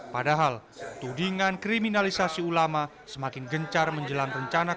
padahal tudingan kriminalisasi ulama semakin gencar menjelang rencana